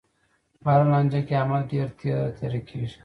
په هره لانجه کې، احمد ډېر تېره تېره کېږي.